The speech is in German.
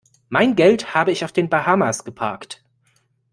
Mein Geld habe ich auf den Bahamas geparkt.